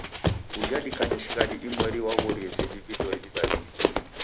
Uja dikanye shighadi imweri waghorie seji vidoi vim'barie.